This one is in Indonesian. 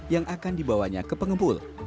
yang akan dibawanya ke pengepul